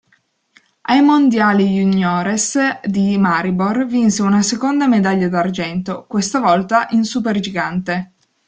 Ai Mondiali juniores di Maribor vinse una seconda medaglia d'argento, questa volta in supergigante.